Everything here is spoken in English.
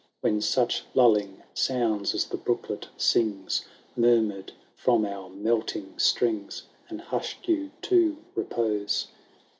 When such lulling sounds as the brooklet sings. Murmured from our melting strings, And hushed you to repose.